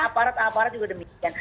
saya kira aparat aparat juga demikian